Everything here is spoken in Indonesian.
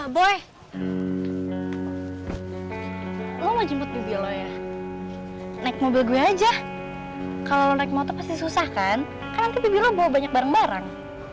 boy lo mau jemput bibi lo ya naik mobil gue aja kalau naik motor pasti susah kan kan nanti bibi lo bawa banyak barang barang